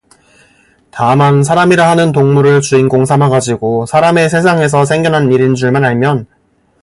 다만 사람이라 하는 동물을 주인공 삼아 가지고, 사람의 세상에서 생겨난 일인 줄만 알면